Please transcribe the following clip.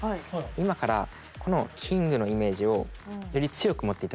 今からこのキングのイメージをより強く持って頂きたいんです。